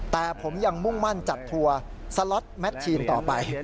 แต่ผมยังมุ่งมั่นจัดทัวร์สล็อตแมททีนต่อไป